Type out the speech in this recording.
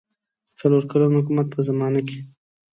څلور کلن حکومت په زمانه کې.